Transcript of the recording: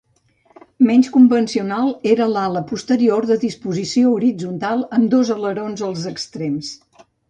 Menys convencional era l'ala posterior, de disposició horitzontal amb dos alerons als extrems.